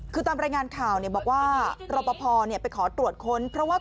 คือตามรายงานข่าวเนี่ยบอกว่าหลับประพอเนี่ยไปขอตรวจค้นเพราะว่า